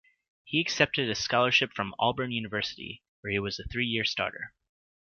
He accepted a scholarship from Auburn University, where he was a three-year starter.